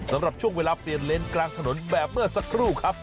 สำหรับช่วงเวลาเปลี่ยนเลนส์กลางถนนแบบเมื่อสักครู่ครับ